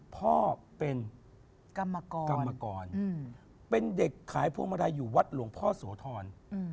พ่อเป็นกรรมกรกรรมกรเป็นเด็กขายพวงมาลัยอยู่วัดหลวงพ่อโสธร